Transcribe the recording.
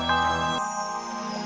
baiklah tiada masalah